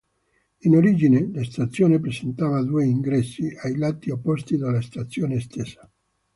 In origine, la stazione presentava due ingressi, ai lati opposti della stazione stessa.